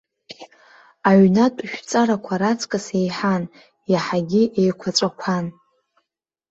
Аҩнатә жәҵарақәа раҵкыс еиҳан, иаҳагьы еиқәаҵәақәан.